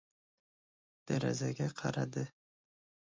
Derazaga qaradi.